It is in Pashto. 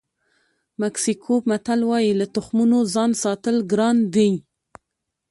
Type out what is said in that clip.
مکسیکوي متل وایي له تخمونو ځان ساتل ګران دي.